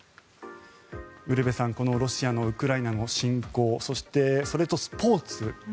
ウルヴェさんロシアのウクライナへの侵攻そしてそれとスポーツ